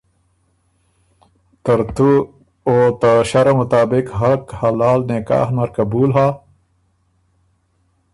ترتُو او ته شرع مطابق حق حلال نکاح نر قبول هۀ؟